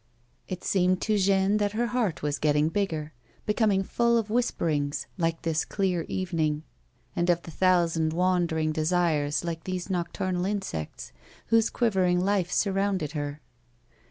It seemed to Jeanne that her heart was getting bigger, becoming full of whisperings like this clear evening, and of a thousand wandering desires like these nocturnal insects whose quivering life surrounded her.